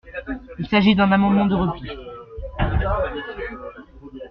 Il s’agit d’un amendement de repli.